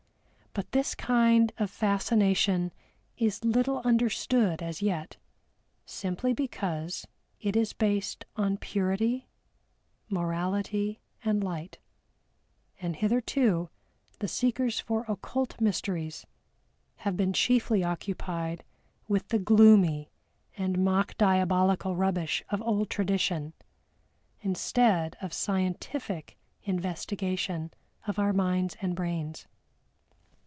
But this kind of fascination is little understood as yet, simply because it is based on purity, morality and light, and hitherto the seekers for occult mysteries have been chiefly occupied with the gloomy and mock diabolical rubbish of old tradition, instead of scientific investigation of our minds and brains.